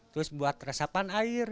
terus buat resapan air